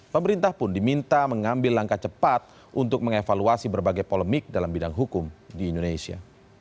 pemerintah pun diminta mengambil langkah cepat untuk mengevaluasi berbagai polemik dalam bidang hukum di indonesia